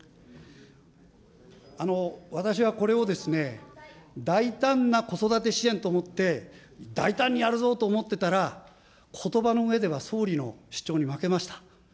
私はこれをですね、大胆な子育て支援と思って、大胆にやるぞと思っていたら、ことばのうえでは、総理の主張に負けました。